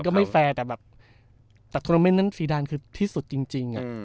มันก็ไม่แฟร์แต่แบบแต่โทนมันท์นั้นซีดานคือที่สุดจริงจริงอ่ะ